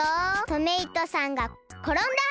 トメイトさんがころんだ！